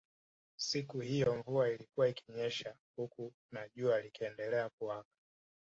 Siku hiyo mvua ilikuwa ikinyesha huku na jua likiendelea kuwaka